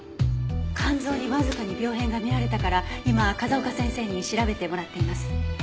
肝臓にわずかに病変が見られたから今風丘先生に調べてもらっています。